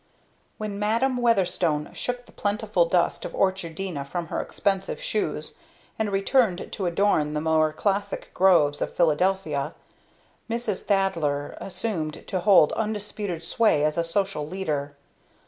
When Madam Weatherstone shook the plentiful dust of Orchardina from her expensive shoes, and returned to adorn the more classic groves of Philadelphia, Mrs. Thaddler assumed to hold undisputed sway as a social leader.